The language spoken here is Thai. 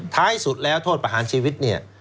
ท้ายสุดแล้วโทษประหารชีวิตเนี่ย